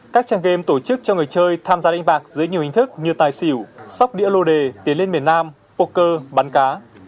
các trang game tổ chức cho người chơi tham gia đánh bạc dưới nhiều hình thức như tài xỉu sóc đĩa lô đề tiến lên miền nam poker bắn cá